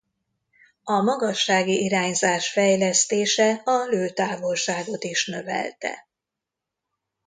A magassági irányzás fejlesztése a lőtávolságot is növelte.